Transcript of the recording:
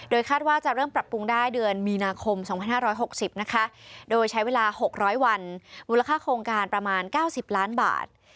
คาดว่าจะเริ่มปรับปรุงได้เดือนมีนาคม๒๕๖๐นะคะโดยใช้เวลา๖๐๐วันมูลค่าโครงการประมาณ๙๐ล้านบาท